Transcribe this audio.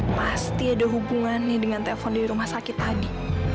pasti ada hubungannya dengan telpon di rumah sakit tadi